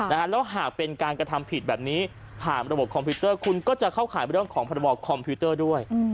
แล้วหากเป็นการกระทำผิดแบบนี้ผ่านระบบคอมพิวเตอร์คุณก็จะเข้าขายเรื่องของพรบคอมพิวเตอร์ด้วย